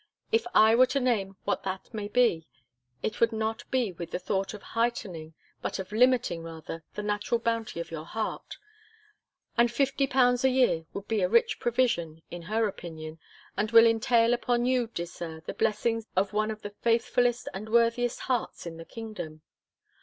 If I were to name what that may be, it would not be with the thought of heightening, but of limiting rather, the natural bounty of your heart; and fifty pounds a year would be a rich provision, in her opinion, and will entail upon you, dear Sir, the blessings of one of the faithfullest and worthiest hearts in the kingdom.